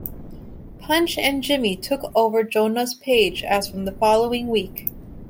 Punch and Jimmy took over Jonah's page as from the following week.